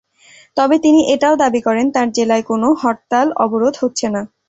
তবে তিনি এটাও দাবি করেন, তাঁর জেলায় কোনো হরতাল-অবরোধ হচ্ছে না।